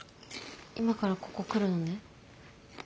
今からここ来るのね。